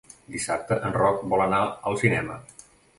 Dissabte en Roc vol anar al cinema.